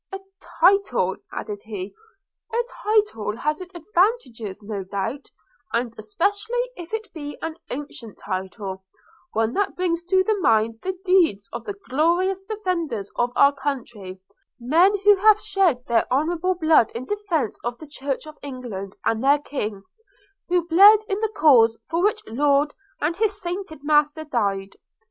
'A title,' added he, 'a title has its advantages no doubt, and especially if it be an ancient title, one that brings to the mind the deeds of the glorious defenders of our country – men who have shed their honourable blood in defence of the Church of England, and their King – who bled in the cause for which Laud and his sainted master died!